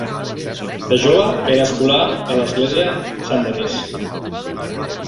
De jove era escolà a l'església Saint-Denis.